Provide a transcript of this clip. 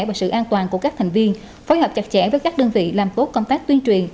và sự an toàn của các thành viên phối hợp chặt chẽ với các đơn vị làm tốt công tác tuyên truyền